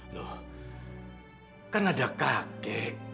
loh kan ada kakek